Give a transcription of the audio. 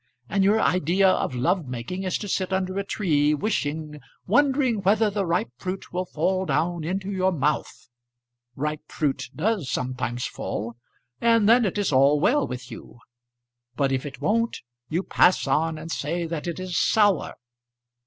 And your idea of love making is to sit under a tree wishing, wondering whether the ripe fruit will fall down into your mouth. Ripe fruit does sometimes fall, and then it is all well with you. But if it won't, you pass on and say that it is sour.